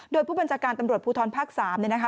โดยผู้บัญชาการตำรวจภูทรภาค๓